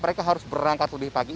mereka harus berangkat lebih pagi